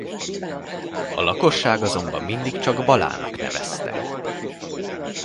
A lakosság azonban mindig csak Balának nevezte.